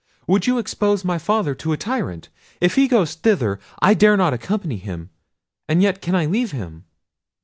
Would you expose my father to the tyrant? If he goes thither, I dare not accompany him; and yet, can I leave him!"